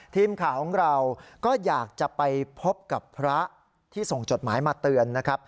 ทีมข่าวของเราก็อยากจะไปพบกับพระที่ส่งจดหมายมาเตือนนะครับ